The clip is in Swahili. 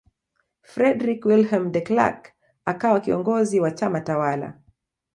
Fredrick Willeum De Krelk akawa kiongozi wa chama tawala